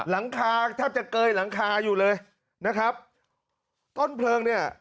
หลังคาแทบจะเกยหลังคาอยู่เลยนะครับต้นเพลิงเนี่ย